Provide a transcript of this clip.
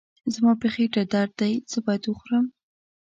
زما په خېټه درد دی، څه باید وخورم؟